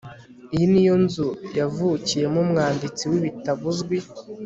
iyi niyo nzu yavukiyemo umwanditsi w'ibitabo uzwi